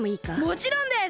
もちろんです！